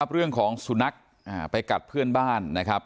เรื่องของสุนัขไปกัดเพื่อนบ้านนะครับ